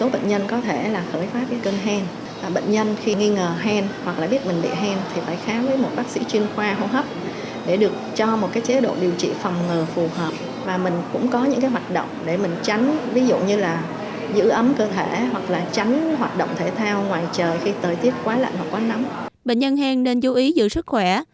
bệnh nhân hèn nên chú ý giữ sức khỏe tránh tiếp xúc với mọi người